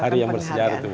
hari yang bersejarah itu